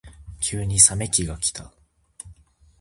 急に冷め期がきた。